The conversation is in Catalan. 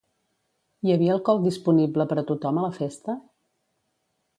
Hi havia alcohol disponible per a tothom a la festa?